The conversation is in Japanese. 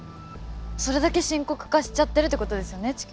それだけ深刻化しちゃってるってことですよね